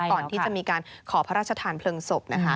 ก่อนที่จะมีการขอพระราชทานเพลิงศพนะคะ